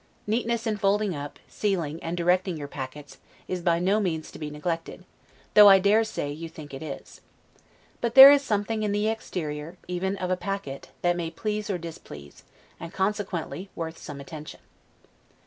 Neatness in folding up, sealing, and directing your packets, is by no means to be neglected; though, I dare say, you think it is. But there is something in the exterior, even of a packet, that may please or displease; and consequently worth some attention.